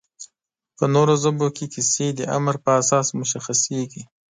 په نورو ژبو کې کیسې د عمر په اساس مشخصېږي